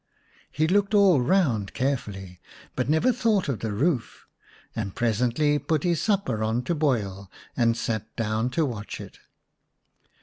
He looked all round carefully, but never thought of the roof, and presently put his supper on to boil, and sat down to watch it.